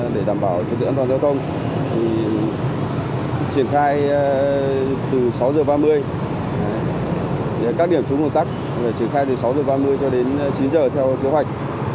để đảm bảo cho tựa an toàn giao thông triển khai từ sáu h ba mươi các điểm trúng ủn tắc triển khai từ sáu h ba mươi cho đến chín h theo kế hoạch